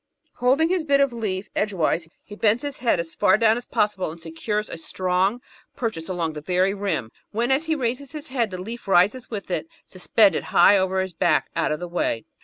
... Holding his bit of leaf edgewise he bends his head as far down as possible and 520 The Outline of Science secures a strong purchase along the very rim, when as he raises his head the leaf rises with it, suspended high over his back out of the way.